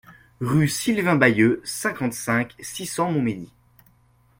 Rue Sylvain Bailleux, cinquante-cinq, six cents Montmédy